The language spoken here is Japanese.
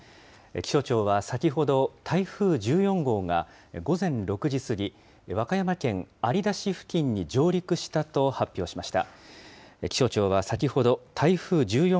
気象庁は先ほど、台風１４号が午前６時過ぎ、和歌山県有田市付近に上陸したと発表しました。